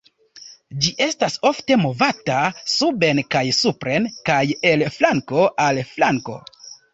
Ĝi estas ofte movata suben kaj supren kaj el flanko al flanko.